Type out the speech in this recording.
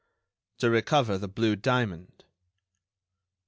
"To recover the blue diamond."